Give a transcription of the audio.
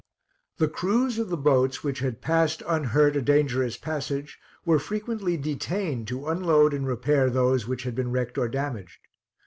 The crews of the boats which had passed unhurt a dangerous passage were frequently detained to unload and repair those which had been wrecked or damaged.